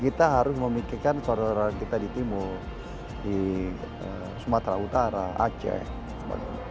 kita harus memikirkan sororan kita di timur di sumatera utara aceh semuanya